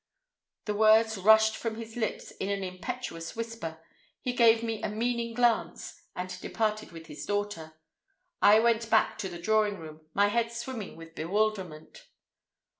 The words rushed from his lips in an impetuous whisper, he gave me a meaning glance, and departed with his daughter. I went back to the drawing room, my head swimming with bewilderment.